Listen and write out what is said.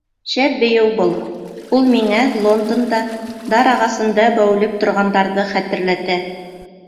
Шәп бейеү был, ул миңә Лондонда дар ағасында бәүелеп торғандарҙы хәтерләтә.